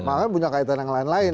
makanya punya kaitan yang lain lain